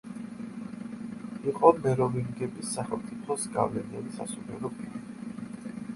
იყო მეროვინგების სახელმწიფოს გავლენიანი სასულიერო პირი.